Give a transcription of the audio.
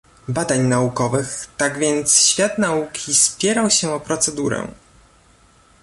Badań Naukowych, tak więc świat nauki spierał się o procedurę